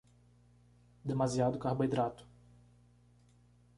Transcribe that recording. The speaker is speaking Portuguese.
Demasiado carboidrato